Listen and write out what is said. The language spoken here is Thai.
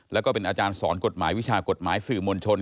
แล้วก็เป็นอาจารย์สอนกฎหมายวิชากฎหมายสื่อมวลชน